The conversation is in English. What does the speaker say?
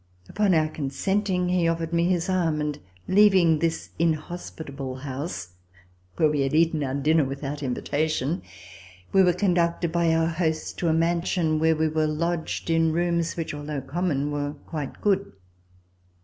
Upon our consenting, he offered me his arm, and leav ing this inhospitable house, where we had eaten our dinner without invitation, we were conducted by our host to a mansion where we were lodged in rooms which, although common, were quite good.